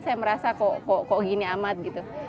saya merasa kok gini amat gitu